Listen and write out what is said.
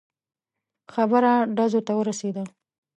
خبره ډزو ته ورسېده.